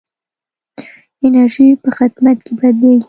انرژي په خدمت کې بدلېږي.